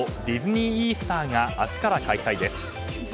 ディズニー・イースターが明日から公開です。